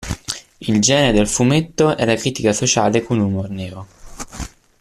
Il genere del fumetto è la critica sociale con humor nero.